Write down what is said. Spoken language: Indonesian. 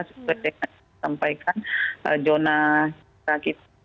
seperti yang disampaikan zona kita